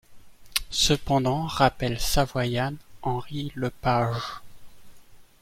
Cependant, rappelle Savoyane Henri-Lepage.